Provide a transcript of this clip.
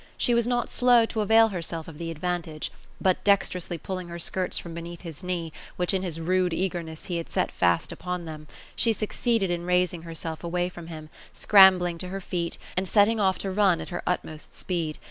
She was not slow to avail herself of the advantage; but dexterously pulling her skirts from beneath his knee, which in his rude eagerness he had set fast upon them, she succeeded in raising herself away from him, scrambling to her feet, and setting off to run at her utmost speed.